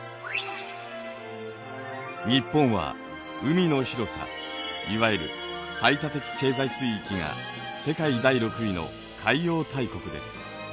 日本は海の広さいわゆる排他的経済水域が世界第６位の海洋大国です。